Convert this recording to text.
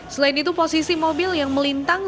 selain itu posisi mobil yang melintang